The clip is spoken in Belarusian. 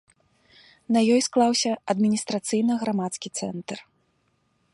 На ёй склаўся адміністрацыйна-грамадскі цэнтр.